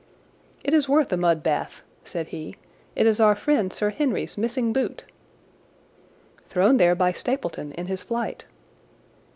"It is worth a mud bath," said he. "It is our friend Sir Henry's missing boot." "Thrown there by Stapleton in his flight."